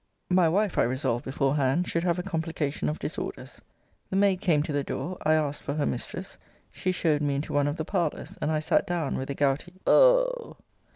My wife, I resolved beforehand, should have a complication of disorders. The maid came to the door. I asked for her mistress. She showed me into one of the parlours; and I sat down with a gouty Oh!